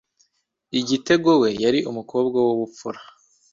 Igitego we yari umukobwa w'ubupfura